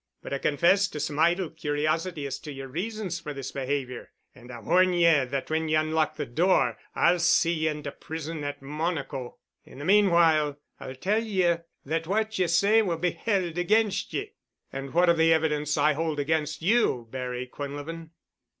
But I confess to some idle curiosity as to yer reasons for this behavior. And I warn ye that when ye unlock the door I'll see ye into the prison at Monaco. In the meanwhile I'll tell ye that what ye say will be held against ye." "And what of the evidence I hold against you, Barry Quinlevin?"